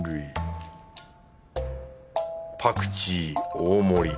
パクチー大盛り。